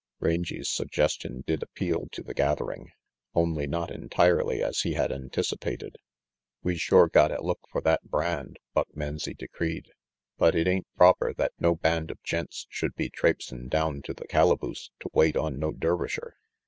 Rangy's suggestion did appeal to the gathering, only not entirely as he had anticipated. "We sure gotta look for that brand," Buck Menzie decreed, "but it ain't proper that no band of gents should be traipsin' down to the calaboose to wait on no Dervisher.